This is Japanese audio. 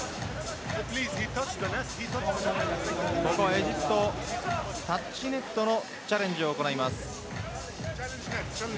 エジプトはタッチネットのチャレンジを行います。